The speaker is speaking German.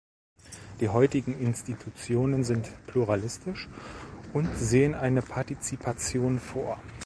Die heutigen Institutionen sind pluralistisch und sehen eine Partizipation vor.